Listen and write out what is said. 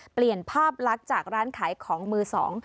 เปลี่ยนภาพลักษณ์จากร้านขายของมือสอง